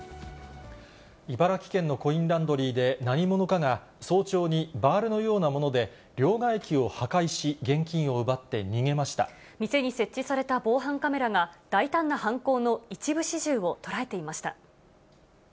茨城県のコインランドリーで、何者かが早朝に、バールのようなもので、両替機を破壊し、現金を店に設置された防犯カメラが、大胆な犯行の一部始終を捉えていました。